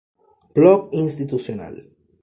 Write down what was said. Blog institucional.